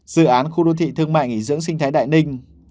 dự án khu đô thị thương mại nghỉ dưỡng sinh thái đại ninh